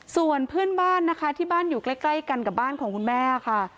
ส่วนเพื่อนบ้านนะคะที่บ้านอยู่ใกล้กันกับบ้านของคุณแม่ค่ะ